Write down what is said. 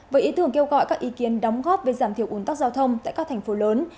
với ý tưởng kêu gọi các ý kiến đóng góp về giảm thiểu ủn tắc giao thông tại các thành phố lớn